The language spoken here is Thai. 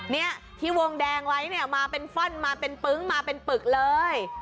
เนี่ยที่วงแดงไว้เนี่ยมาเป็นฟ่อนมาเป็นปึ๊งมาเป็นปึกเลย